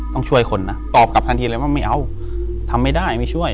ต้องช่วยคนนะตอบกลับทันทีเลยว่าไม่เอาทำไม่ได้ไม่ช่วย